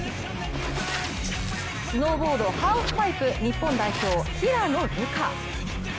スノーボード・ハーフパイプ日本代表、平野流佳。